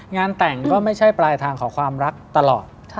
งานแต่งก็ไม่ใช่ปลายทางของความรักตลอด